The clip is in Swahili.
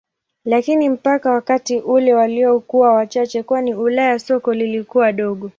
Lakini mpaka wakati ule walikuwa wachache kwani Ulaya soko lilikuwa dogo.